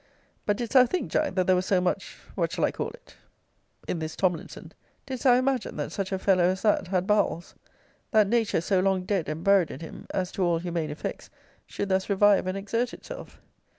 But didst thou think, Jack, that there was so much What shall I call it? in this Tomlinson? Didst thou imagine that such a fellow as that had bowels? That nature, so long dead and buried in him, as to all humane effects, should thus revive and exert itself?